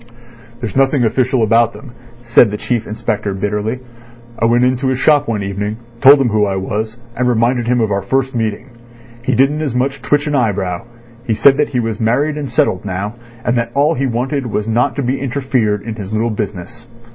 "There's nothing official about them," said the Chief Inspector bitterly. "I went into his shop one evening, told him who I was, and reminded him of our first meeting. He didn't as much as twitch an eyebrow. He said that he was married and settled now, and that all he wanted was not to be interfered in his little business.